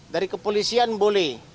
dari kepolisian boleh